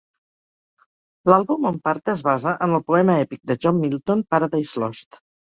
L'àlbum en part es basa en el poema èpic de John Milton, "Paradise Lost".